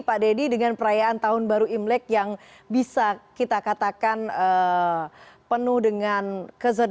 pak deddy dengan perayaan tahun baru imlek yang bisa kita katakan penuh dengan keseluruhan